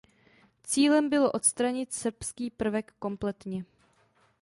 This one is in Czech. Cílem bylo odstranit srbský prvek kompletně.